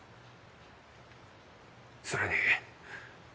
それに。